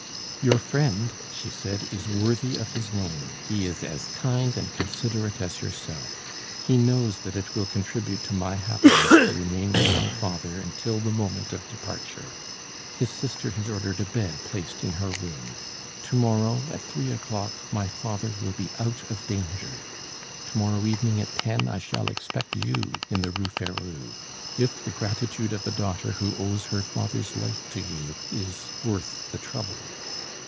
"Your friend," she said, "is worthy of his name; he is as kind and considerate as yourself. He knows that it will contribute to my happiness to remain with my father until the moment of departure. His sister has ordered a bed placed in her room. To morrow at three o'clock my father will be out of danger. To morrow evening at ten I shall expect you in the Rue Ferou, if the gratitude of a daughter who owes her father's life to you is worth the trouble."